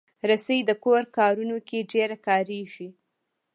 رسۍ د کور کارونو کې ډېره کارېږي.